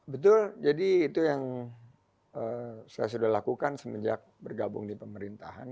betul jadi itu yang saya sudah lakukan semenjak bergabung di pemerintahan